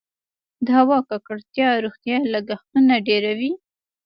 د هوا ککړتیا روغتیايي لګښتونه ډیروي؟